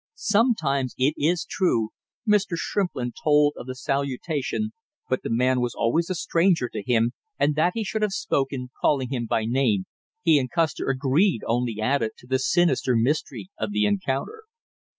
Sometimes, it is true, Mr. Shrimplin told of the salutation, but the man was always a stranger to him, and that he should have spoken, calling him by name, he and Custer agreed only added to the sinister mystery of the encounter.